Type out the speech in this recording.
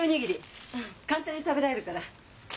簡単に食べられるから。